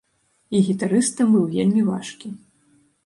І гітарыст быў там вельмі важкі.